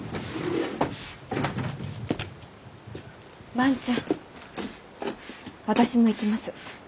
万ちゃん私も行きます。